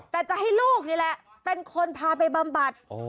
แต่จะให้ลูกนี่แหละเป็นคนพาไปบำบัด